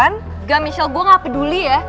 nggak michelle gue nggak peduli ya